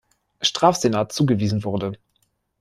Strafsenat zugewiesen wurde.